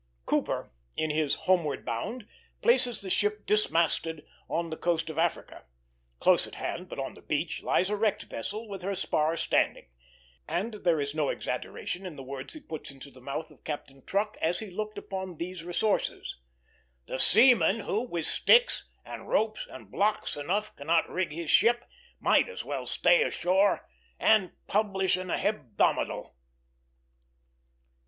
Cooper, in his Homeward Bound, places the ship dismasted on the coast of Africa. Close at hand, but on the beach, lies a wrecked vessel with her spar standing; and there is no exaggeration in the words he puts into the mouth of Captain Truck, as he looked upon these resources: "The seaman who, with sticks, and ropes, and blocks enough, cannot rig his ship, might as well stay ashore and publish an hebdomadal."